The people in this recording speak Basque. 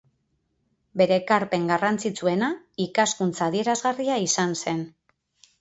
Bere ekarpen garrantzitsuena ikaskuntza adierazgarria izan zen.